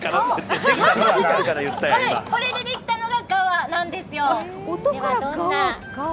これでできたのががわなんですよ。